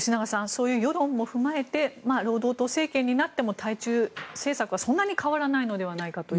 そういう世論も踏まえて労働党政権になっても対中政策はそんなに変わらないのではないかと。